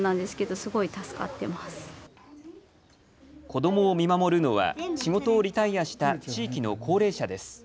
子どもを見守るのは仕事をリタイアした地域の高齢者です。